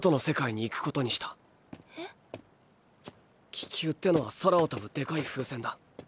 気球ってのは空を飛ぶでかい風船だ。